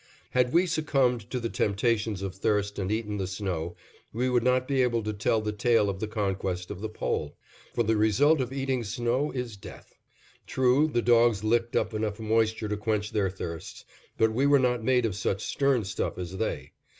Had we succumbed to the temptations of thirst and eaten the snow, we would not be able to tell the tale of the conquest of the Pole; for the result of eating snow is death. True, the dogs licked up enough moisture to quench their thirsts, but we were not made of such stern stuff as they.